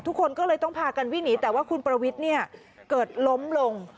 ทุกคนก็เลยต้องพากันวิ่งหนีแต่ว่าคุณประวิทย์เนี่ยเกิดล้มลง